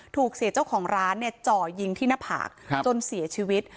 ถูกเสียเจ้าของร้านเนี่ยจ่อยิงที่หน้าผากจนเสียชีวิต